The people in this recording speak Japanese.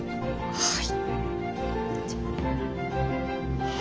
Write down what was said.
はい。